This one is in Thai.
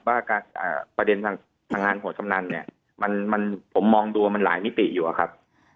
ว่าประเด็นทางงานหัวกำนันเนี่ยผมมองดูว่ามันหลายมิติอยู่อะครับ